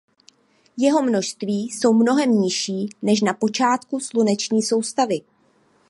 Jeho množství jsou mnohem nižší než na počátku sluneční soustavy.